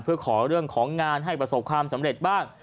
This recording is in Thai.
เพื่อขอเรื่องของงานให้ประสบความสำเร็จบ้าง